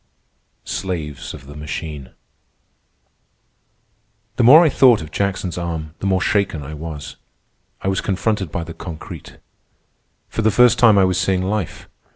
SLAVES OF THE MACHINE The more I thought of Jackson's arm, the more shaken I was. I was confronted by the concrete. For the first time I was seeing life.